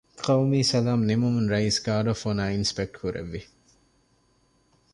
ޤައުމީ ސަލާމް ނިމުމުން ރައީސް ގާރޑް އޮފް އޮނަރ އިންސްޕެކްޓް ކުރެއްވި